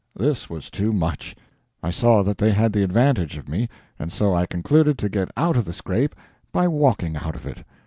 This was too much. I saw that they had the advantage of me, and so I concluded to get out of the scrape by walking out of it.